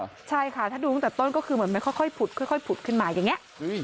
ใช่ค่ะถ้าดูตั้งแต่ต้นก็คือเหมือนไม่ค่อยผุดค่อยผุดขึ้นมาอย่างนี้